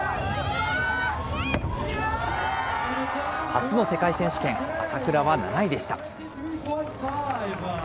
初の世界選手権、朝倉は７位でした。